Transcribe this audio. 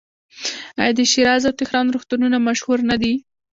آیا د شیراز او تهران روغتونونه مشهور نه دي؟